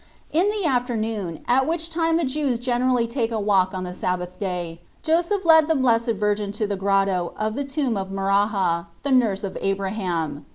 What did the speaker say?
In the afternoon, at which time the Jews generally take a walk on the Sabbath day, Joseph led the Blessed Virgin to the Grotto of the tomb of Maraha, the nurse of Abraham.